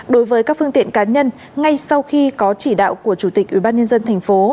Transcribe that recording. đối với các phương tiện cá nhân ngay sau khi có chỉ đạo của chủ tịch ubnd tp